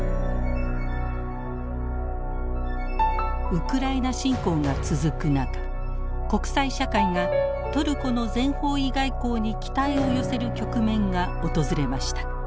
ウクライナ侵攻が続く中国際社会がトルコの全方位外交に期待を寄せる局面が訪れました。